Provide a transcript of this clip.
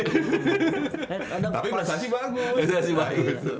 tapi beresasi bagus